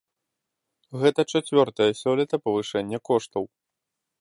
Гэта чацвёртае сёлета павышэнне коштаў.